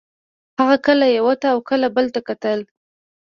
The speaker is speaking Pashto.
هغه کله یو ته او کله بل ته کتل